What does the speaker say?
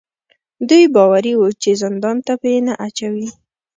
دوی باوري وو چې زندان ته به یې نه اچوي.